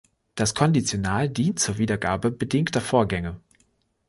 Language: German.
Das Konditional dient zur Wiedergabe bedingter Vorgänge.